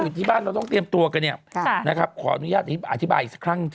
เมื่อก่อนที่ศักดิ์เขียวถึงแบบอายุเยอะไม่ได้อะไรอย่างนี้